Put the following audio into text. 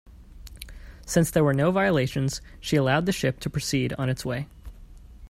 Since there were no violations, she allowed the ship to proceed on its way.